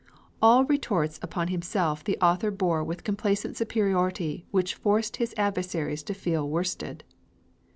All retorts upon himself the author bore with complacent superiority which forced his adversaries to feel worsted.